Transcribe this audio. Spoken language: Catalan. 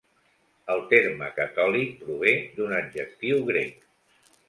El terme catòlic prové d'un adjectiu grec.